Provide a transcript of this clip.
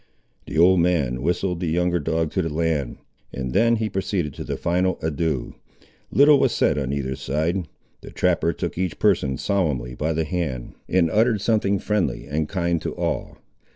The old man whistled the younger dog to the land; and then he proceeded to the final adieus. Little was said on either side. The trapper took each person solemnly by the hand, and uttered something friendly and kind to all.